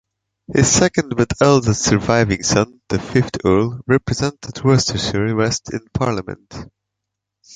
His second but eldest surviving son, the fifth Earl, represented Worcestershire West in Parliament.